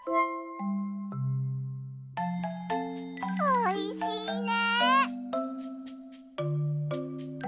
おいしいね。